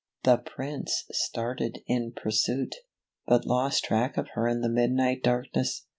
The Prince started in pursuit, but lost track of her in the midnight darkness.